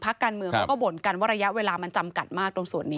การเมืองเขาก็บ่นกันว่าระยะเวลามันจำกัดมากตรงส่วนนี้